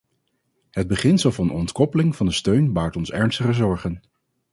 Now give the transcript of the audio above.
Het beginsel van ontkoppeling van de steun baart ons ernstige zorgen.